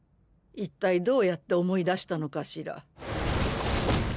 一体どうやって思い出したのかしら？